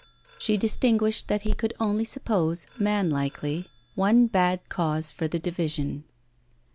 She distinguished that he could only suppose, manlikely, one bad cause for the division.